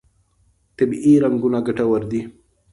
طبیعي رنګونه ګټور دي.